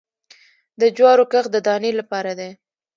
د جوارو کښت د دانې لپاره دی